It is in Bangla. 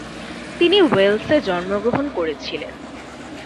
তিনি ওয়েলসে জন্মগ্রহণ করেছিলেন।